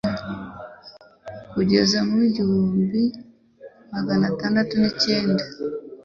kugeza mu w' igihumbi magana atandatu n' icyenda